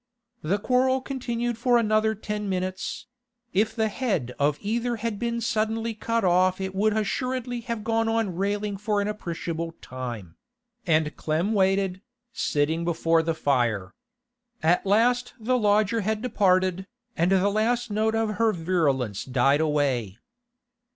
The quarrel continued for another ten minutes—if the head of either had been suddenly cut off it would assuredly have gone on railing for an appreciable time—and Clem waited, sitting before the fire. At last the lodger had departed, and the last note of her virulence died away.